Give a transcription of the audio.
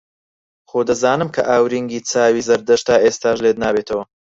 خۆ دەزانم کە ئاورینگی چاوی زەردەشت تا ئێستاش لێت نابێتەوە